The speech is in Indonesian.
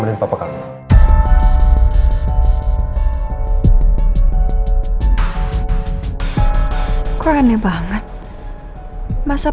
masa papa mau ke makam nidih ngajak nino